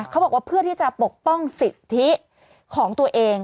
เพื่อที่จะปกป้องสิทธิของตัวเอง